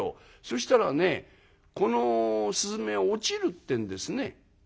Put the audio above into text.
そしたらねこの雀落ちるってんですね」。